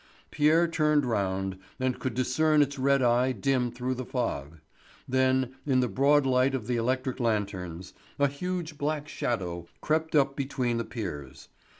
Pierre turned round and could discern its red eye dim through the fog. Then, in the broad light of the electric lanterns, a huge black shadow crept up between the piers.